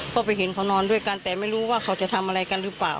ก็ไปเห็นเขานอนด้วยกันแต่ไม่รู้ว่าเขาจะทำอะไรกันหรือเปล่า